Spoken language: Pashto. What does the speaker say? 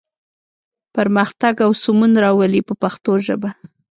پرمختګ او سمون راولي په پښتو ژبه.